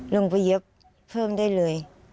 ลงไปเย็บเพิ่มได้เลย